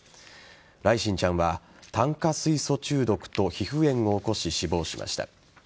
來心ちゃんは炭化水素中毒と皮膚炎を起こし死亡しました。